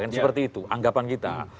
seperti itu anggapan kita